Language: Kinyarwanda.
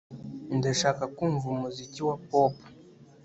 Ndashaka kumva umuziki wa pop